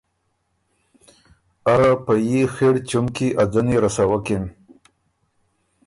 اره په يي خِړ چُم کی ا ځنی رسوکِن۔